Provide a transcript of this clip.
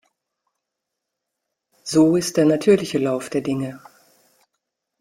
So ist der natürliche Lauf der Dinge.